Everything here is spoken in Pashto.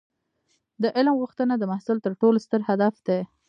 د علم غوښتنه د محصل تر ټولو ستر هدف دی.